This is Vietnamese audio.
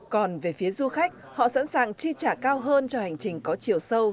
còn về phía du khách họ sẵn sàng chi trả cao hơn cho hành trình có chiều sâu